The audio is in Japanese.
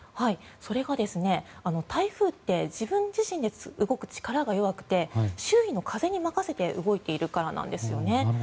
それは台風って自分自身で動く力が弱くて周囲の風に任せて動いているからなんですよね。